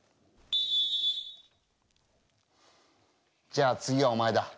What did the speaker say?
じゃあ次はお前だ。